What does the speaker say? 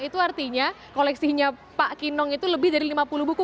itu artinya koleksinya pak kinong itu lebih dari lima puluh buku